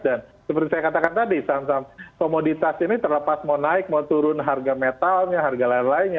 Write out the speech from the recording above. dan seperti saya katakan tadi saham saham komoditas ini terlepas mau naik mau turun harga metalnya harga lain lainnya